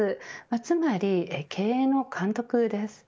つまり、経営の監督です。